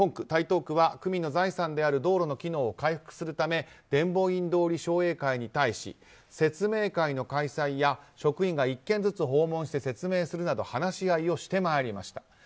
区民の財産である道路の機能を回復するため伝法院通り商栄会に対し説明会の開催や職員が１軒ずつ訪問して説明するなど話し合いをしてまいりました。